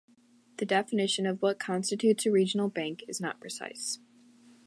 The definition of what constitutes a regional bank is not precise.